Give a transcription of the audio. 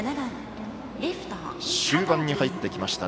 終盤に入ってきました